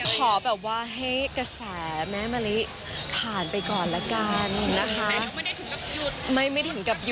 ขอแบบว่าให้กระแสแม่มะลิผ่านไปก่อนละกันนะคะ